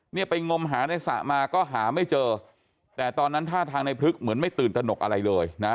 เนี่ยไปงมหาในสระมาก็หาไม่เจอแต่ตอนนั้นท่าทางในพลึกเหมือนไม่ตื่นตนกอะไรเลยนะ